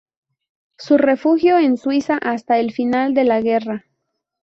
Se refugió en Suiza hasta el final de la guerra.